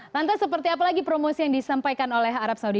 lantas seperti apalagi promosi yang disampaikan oleh arab saudi